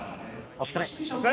お疲れ！